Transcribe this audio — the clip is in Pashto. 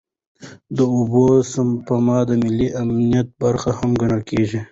د اوبو سپما د ملي امنیت برخه هم ګڼل کېږي.